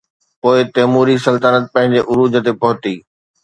پوءِ تيموري سلطنت پنهنجي عروج تي پهتي.